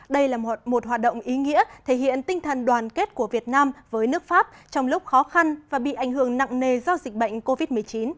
đây là một hoạt động ý nghĩa thể hiện tinh thần đoàn kết của việt nam với nước pháp trong lúc khó khăn và bị ảnh hưởng nặng nề do dịch bệnh covid một mươi chín